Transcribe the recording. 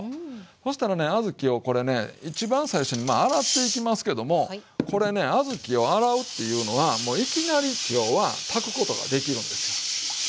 そしたらね小豆をこれね一番最初に洗っていきますけどもこれね小豆を洗うっていうのはもういきなり要は炊くことができるんですよ。